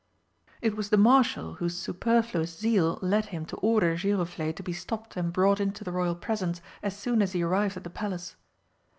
It was the Marshal whose superfluous zeal led him to order Giroflé to be stopped and brought into the Royal presence as soon as he arrived at the Palace.